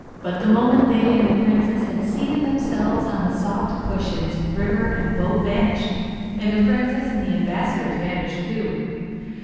But the moment they and the princess had seated themselves on the soft cushions, river and boats vanished, and the princess and the ambassadors vanished too.